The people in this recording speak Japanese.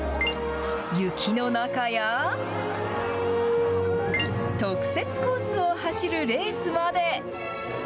雪の中や、特設コースを走るレースまで。